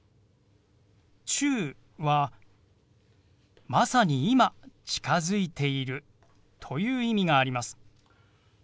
「中」は「まさに今近づいている」という意味があります。